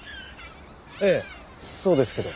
ええそうですけど。